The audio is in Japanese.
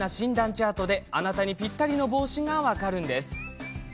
チャートであなたにぴったりの帽子が分かるんです。